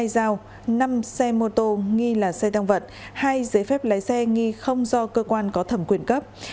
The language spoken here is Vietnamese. hai dao năm xe mô tô nghi là xe tăng vật hai giấy phép lái xe nghi không do cơ quan có thẩm quyền cấp